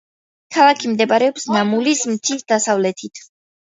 ქალაქი მდებარეობს ნამულის მთის დასავლეთით.